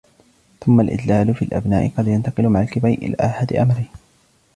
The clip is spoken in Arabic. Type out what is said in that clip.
ثُمَّ الْإِدْلَالُ فِي الْأَبْنَاءِ قَدْ يَنْتَقِلُ مَعَ الْكِبَرِ إلَى أَحَدِ أَمْرَيْنِ